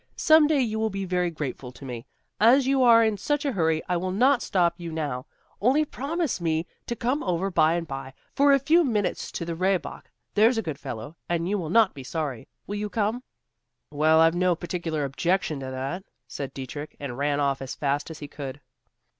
Some day you will be very grateful to me. As you are in such a hurry, I will not stop you now; only promise me to come over bye and bye for a few minutes to the Rehbock; there's a good fellow, and you will not be sorry. Will you come?" "Well, I've no particular objection to that," said Dietrich, and ran off as fast as he could.